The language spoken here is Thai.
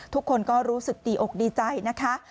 ทุกคนก็รู้สึกดีอกดีใจนะคะ